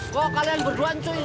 kok kalian berdua cuy